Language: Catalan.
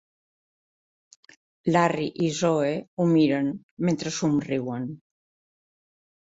Larry i Zoe ho miren mentre somriuen.